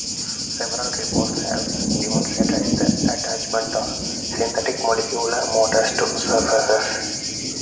Several reports have demonstrated the attachment of synthetic molecular motors to surfaces.